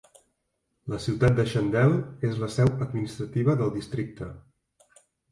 La ciutat de Chandel és la seu administrativa del districte.